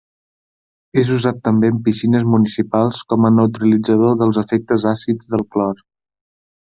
És usat també en piscines municipals com a neutralitzador dels efectes àcids del clor.